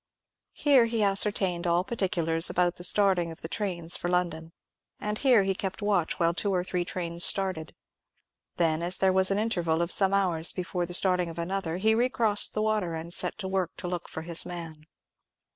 Here he ascertained all particulars about the starting of the trains for London, and here he kept watch while two or three trains started. Then, as there was an interval of some hours before the starting of another, he re crossed the water, and set to work to look for his man.